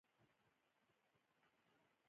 ځای د داغلو په کې نشته جانانه څله داغوې داغلي زړونه